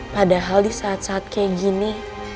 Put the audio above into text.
padahal di saat saat kayak gini